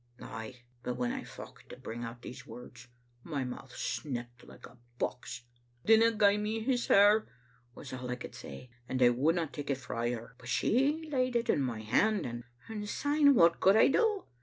Ay, but when I focht to bring out these words, my mouth snecked like a box. '^'Dinna gie me his hair,' was a' I could say, and I wouldna take it frae her; but she laid it in my hand, and — and syne what could I do?